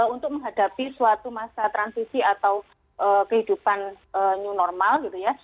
untuk menghadapi suatu masa transisi atau kehidupan new normal gitu ya